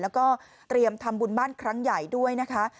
แล้วก็เตรียมทำบุญบ้านครั้งใหญ่ด้วยนะคะ